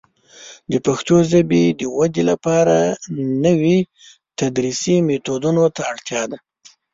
د پښتو ژبې د ودې لپاره نوي تدریسي میتودونه ته اړتیا ده.